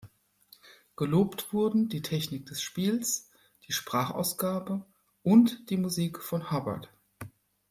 Gelobt wurden die Technik des Spiels, die Sprachausgabe und die Musik von Hubbard.